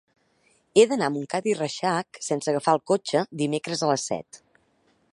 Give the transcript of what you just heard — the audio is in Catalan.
He d'anar a Montcada i Reixac sense agafar el cotxe dimecres a les set.